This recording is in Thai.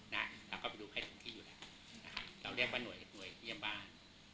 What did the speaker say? นะเราก็ไปดูคนไข้ที่อยู่แล้วเราเรียกว่าหน่วยที่โรงพยาบาล